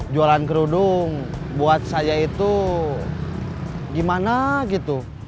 jualan kerudung buat saya itu gimana gitu